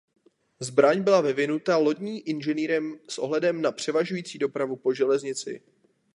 Zbraň byla vyvinuta lodní inženýrem s ohledem na převažující dopravu po železnici.